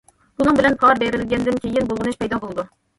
بۇنىڭ بىلەن پار بېرىلگەندىن كېيىن بۇلغىنىش پەيدا بولىدۇ.